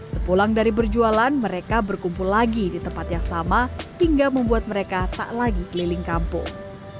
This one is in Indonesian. sepulang dari berjualan mereka berkumpul lagi di tempat yang sama hingga membuat mereka tak lagi keliling kampung